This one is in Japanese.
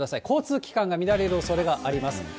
交通機関が乱れるおそれがあります。